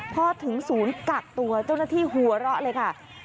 พอถึงศูนย์กักตัวเจ้าหน้าที่หัวเราะเลยค่ะ